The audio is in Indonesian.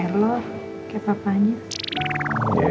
gokul lagi ya